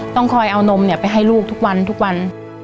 ต้องคอยเอานมไปให้ลูกทุกวันทุกวัน